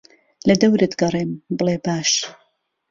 لەدەورت گەڕێم بڵێ باش